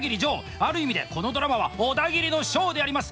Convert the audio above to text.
ある意味でこのドラマはオダギリのショーであります。